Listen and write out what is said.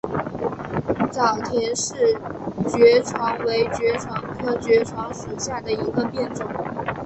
早田氏爵床为爵床科爵床属下的一个变种。